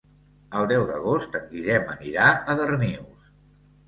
El deu d'agost en Guillem anirà a Darnius.